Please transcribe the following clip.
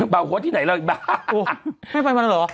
บาร์โฮสที่ไหนเล่าอีกบาร์โฮส